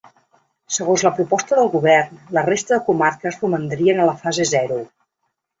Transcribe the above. Segons la proposta del govern, la resta de comarques romandrien a la fase zero.